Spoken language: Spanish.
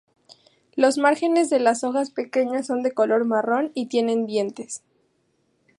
Los márgenes de las hojas pequeñas son de color marrón y tienen dientes.